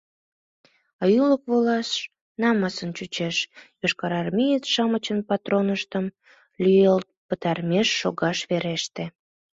А ӱлык волаш намысын чучеш: йошкарармеец-шамычын патроныштым лӱйылт пытарымеш шогаш вереште.